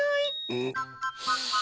うん。